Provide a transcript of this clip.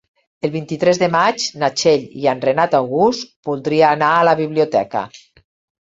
El vint-i-tres de maig na Txell i en Renat August voldria anar a la biblioteca.